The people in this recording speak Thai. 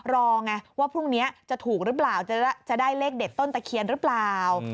รอไงว่าพรุ่งนี้จะถูกหรือเปล่าจะได้เลขเด็ดต้นตะเคียนหรือเปล่า